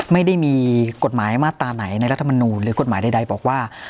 ไม่ได้มีกฎหมายมาตราไหนในรัฐมนูลหรือกฎหมายใดบอกว่า